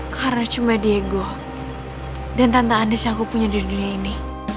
karena cuma diego dan tante anis yang aku punya di dunia ini